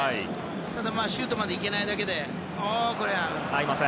ただシュートまでいけないだけで。